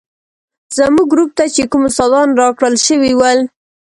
زموږ ګروپ ته چې کوم استادان راکړل شوي ول.